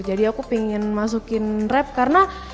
jadi aku pengen masukin rap karena